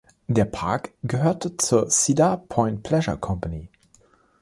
Der Park gehörte zur Cedar Point Pleasure Company.